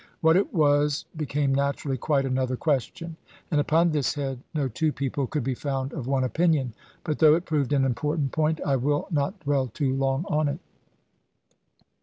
What it was became naturally quite another question; and upon this head no two people could be found of one opinion. But though it proved an important point, I will not dwell too long on it.